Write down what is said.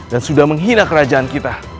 dan sudah menghina kerajaan kita